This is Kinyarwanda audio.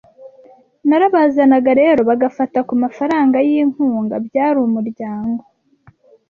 narabazanaga rero bagafata ku mafaranga y’inkunga, byari umuryango